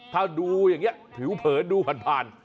ถ้าดูอย่างนี้ผิวเผินดูผ่าน